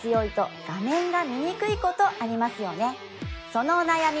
そのお悩み